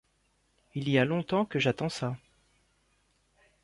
Il y a longtemps que j’attends ça.